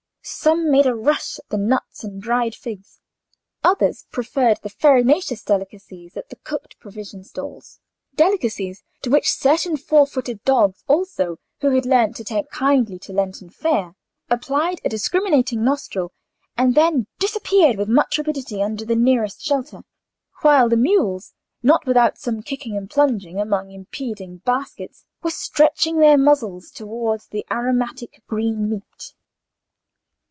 Some made a rush at the nuts and dried figs, others preferred the farinaceous delicacies at the cooked provision stalls—delicacies to which certain four footed dogs also, who had learned to take kindly to Lenten fare, applied a discriminating nostril, and then disappeared with much rapidity under the nearest shelter; while the mules, not without some kicking and plunging among impeding baskets, were stretching their muzzles towards the aromatic green meat.